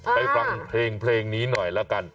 ไปฟังเพลงนี้หน่อยแล้วกัน